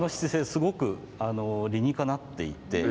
すごく理にかなっていて。